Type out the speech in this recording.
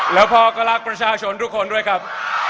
แล้วพ่อก็รักประชาชนทุกคนด้วยครับ